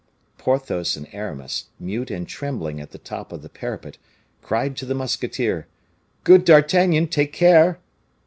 Porthos and Aramis, mute and trembling at the top of the parapet, cried to the musketeer, "Good D'Artagnan, take care!"